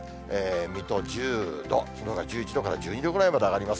水戸１０度、そのほか１１度から１２度ぐらいまで上がります。